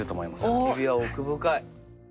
焚き火は奥深い。